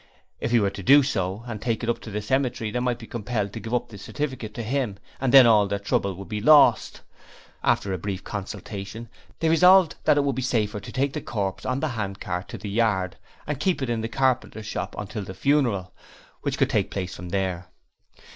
If he were to do so and take it up to the cemetery they might be compelled to give up the certificate to him and then all their trouble would be lost. After a brief consultation, they resolved that it would be safer to take the corpse on the handcart to the yard and keep it in the carpenter's shop until the funeral, which could take place from there.